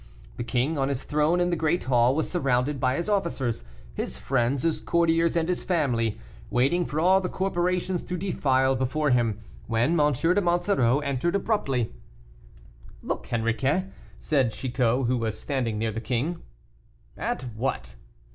The king, on his throne in the great hall, was surrounded by his officers, his friends, his courtiers, and his family, waiting for all the corporations to defile before him, when M. de Monsoreau entered abruptly. "Look, Henriquet," said Chicot, who was standing near the king. "At what?"